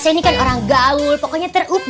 saya ini kan orang gaul pokoknya terang ya kan